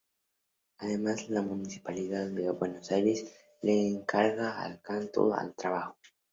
Además, la Municipalidad de Buenos Aires le encarga el Canto al Trabajo.